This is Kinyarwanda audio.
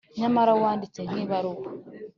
Nyamara wanditse nk'ibaruwa,